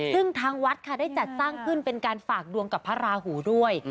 ซึ่งทางวัดค่ะได้จัดสร้างขึ้นเป็นการฝากดวงกับพระราหูด้วย